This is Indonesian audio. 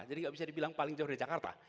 jadi tidak bisa dibilang paling jauh dari jakarta